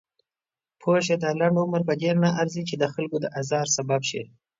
پوهه شه! دا لنډ عمر پدې نه ارزي چې دخلکو د ازار سبب شئ.